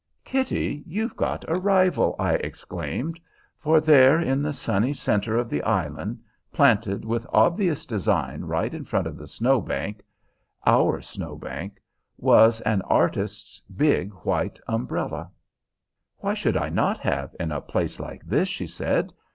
"Kitty, you've got a rival," I exclaimed: for there in the sunny centre of the island, planted with obvious design right in front of the Snow Bank, our Snow Bank, was an artist's big white umbrella. "Why should I not have, in a place like this?" she said.